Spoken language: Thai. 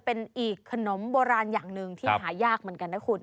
เป็นอีกขนมโบราณอย่างหนึ่งที่หายากเหมือนกันนะคุณ